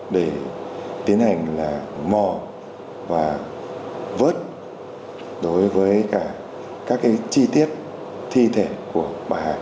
để tiến hành mò và vớt đối với các chi tiết thi thể của bà hà